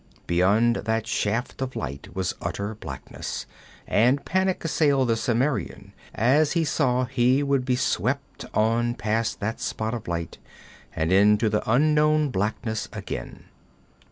Beyond that shaft of light was utter blackness, and panic assailed the Cimmerian as he saw he would be swept on past that spot of light, and into the unknown blackness again.